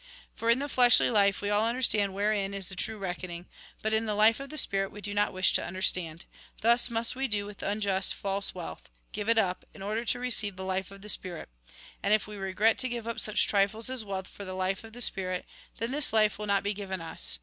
" For, in the fleshly life, we all understand wherein is the true reckoning, but in the life of the spirit, we do not wish to understand. Thus must we do with unjust, false wealth, — give it up, in order to receive the life of the spirit. And if we regret to give up such trifles as wealth for the life of the spirit, then this life will not be given us.